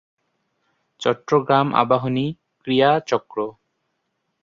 Chittagong Abahani Krira Chakra.